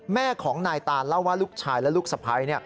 แม่ของนายตานเล่าว่าลูกชายและลูกสะพ้าย